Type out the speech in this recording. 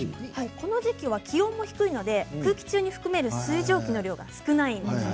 この時期は気温が低いので空気中に含まれる水蒸気の量が少ないんですね。